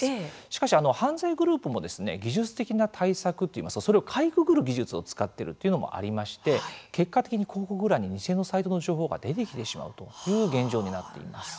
しかし、犯罪グループも技術的な対策といいますかそれをかいくぐる技術を使っているというのもありまして結果的に広告欄に偽のサイトの情報が出てきてしまうという現状になっています。